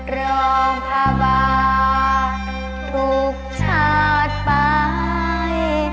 รองภาวะปลูกชาติไป